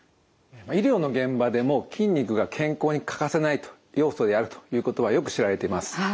医療の現場でも筋肉が健康に欠かせないと要素であるということはよく知られています。